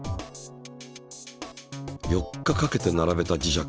４日かけて並べた磁石